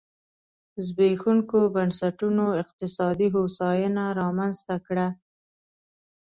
زبېښونکو بنسټونو اقتصادي هوساینه رامنځته کړه.